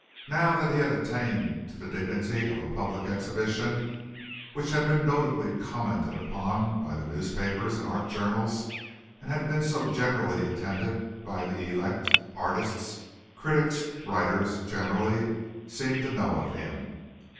Now that he had attained to the dignity of a public exhibition, which had been notably commented upon by the newspapers and art journals and had been so generally attended by the elect, artists, critics, writers generally, seemed to know of him.